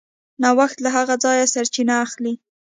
نوښت له هغه ځایه سرچینه اخلي.